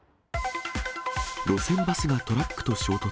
路線バスがトラックと衝突。